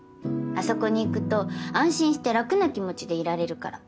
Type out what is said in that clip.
あそこに行くと安心して楽な気持ちでいられるから。